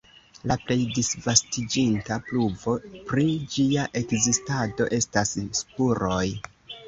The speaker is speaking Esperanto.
La plej disvastiĝinta pruvo pri ĝia ekzistado estas spuroj.